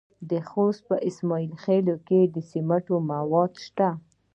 د خوست په اسماعیل خیل کې د سمنټو مواد شته.